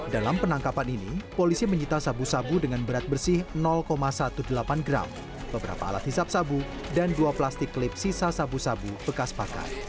dalam penangkapan ini polisi menyita sabu sabu dengan berat bersih delapan belas gram beberapa alat hisap sabu dan dua plastik klip sisa sabu sabu bekas pakai